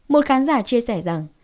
một khán giả chia sẻ rằng